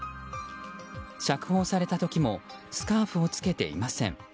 釈放された時もスカーフを着けていません。